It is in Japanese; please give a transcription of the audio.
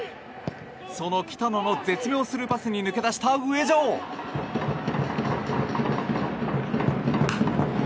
その北野の絶妙スルーパスに抜け出した、上門！